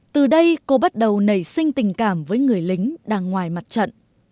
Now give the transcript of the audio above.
từ đây cô bắt đầu nảy sinh tình cảm với người lính đang ngoài mặt trận